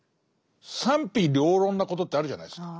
賛否両論なことってあるじゃないですか。